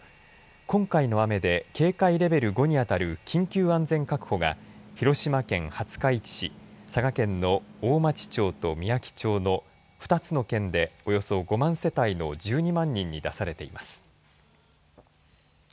今回の雨で警戒レベル５に当たる緊急安全確保が広島県廿日市市佐賀県の大町町とみやき町の２つの県でおよそ５万世帯の１２万人に出されています。